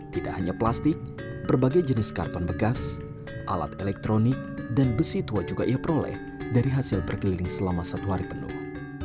tidak hanya plastik berbagai jenis karton bekas alat elektronik dan besi tua juga ia peroleh dari hasil berkeliling selama satu hari penuh